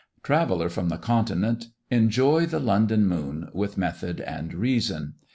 Traveller from the Continent, enjoy the London moon with method and reason!